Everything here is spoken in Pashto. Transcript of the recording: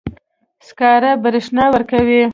سکاره برېښنا ورکوي.